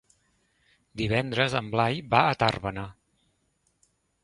Divendres en Blai va a Tàrbena.